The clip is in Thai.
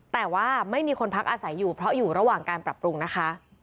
แต่ว่าไม่มีคนพักอาศัยอยู่เพราะอยู่ระหว่างการปรับปรุงนะคะ